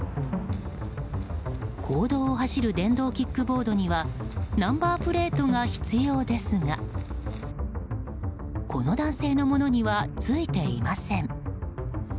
公道を走る電動キックボードにはナンバープレートが必要ですがこの男性のものにはついていません。